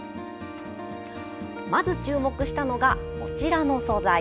まず、注目したのがこちらの素材。